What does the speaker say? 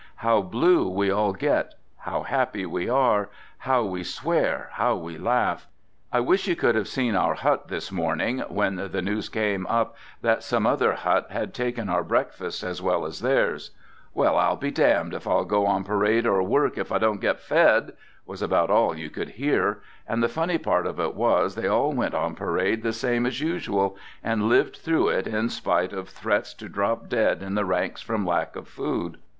How blue we all get. How happy we are, how we swear, how we laugh. I wish you could have seen our hut this morning, when the news came up that some other hut had taken our breakfast as well as theirs. " Well, I'll be damned if Til go on parade or work if I don't get fed !" was about all you could hear, and the funny part of it was they all went on parade the same as usual and lived through it in spite of threats 142 "THE GOOD SOLDIER to drop dead in the ranks from lack of food.